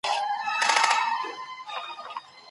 که یو هنرمند په ذوق کار وکړي نو خلګ یې ستاینه کوي.